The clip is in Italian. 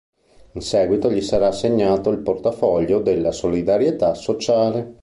In seguito gli sarà assegnato il portafoglio della Solidarietà sociale.